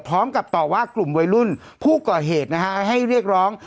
พร้อมกับต่อว่ากลุ่มวัยรุ่นผู้ก่อเหตุนะฮะให้เรียกร้อง